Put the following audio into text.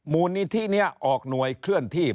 มูลนิธินี้ออกหน่วยเคลื่อนที่